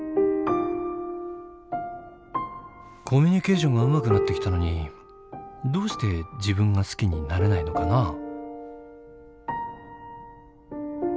コミュニケーションがうまくなってきたのにどうして自分が好きになれないのかな？